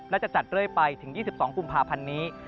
และจะจัดเรื่อยไปถึง๒๒กุมภาพันธ์นี้